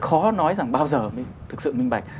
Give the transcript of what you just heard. khó nói rằng bao giờ mới thực sự minh bạch